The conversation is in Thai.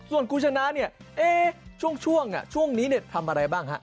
ส่วนคุณชนะเนี่ยช่วงนี้ทำอะไรบ้างฮะ